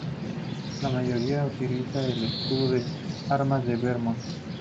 La mayoría utiliza el escudo de armas de Vermont.